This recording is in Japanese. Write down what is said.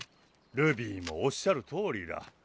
ルビーもおっしゃるとおりだ。